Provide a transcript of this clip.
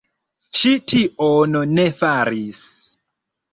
Ŝi tion ne faris.